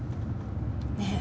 ねえ。